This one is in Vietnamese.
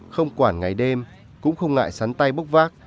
không quản ngày đêm cũng không ngại sắn tay bốc vác